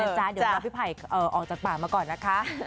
เดี๋ยวรอพี่ไผ่ออกจากป่ามาก่อนนะคะ